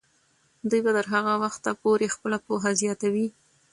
دوی به تر هغه وخته پورې خپله پوهه زیاتوي.